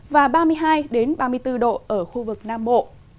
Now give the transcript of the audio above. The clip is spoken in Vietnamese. và ba mươi hai ba mươi bốn độ ở khu vực nam bộ